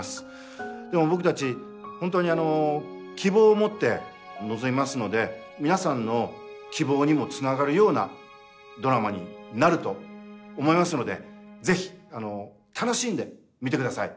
でも僕たち本当に希望を持って臨みますので皆さんの希望にもつながるようなドラマになると思いますのでぜひ楽しんで見てください。